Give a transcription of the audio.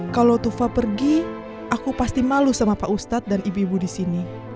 kalau tufa pergi aku pasti malu sama pak ustadz dan ibu ibu di sini